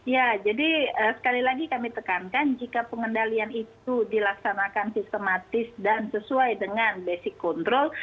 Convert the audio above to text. ya jadi sekali lagi kami tekankan jika pengendalian itu dilaksanakan sistematis dan sesuai dengan basic control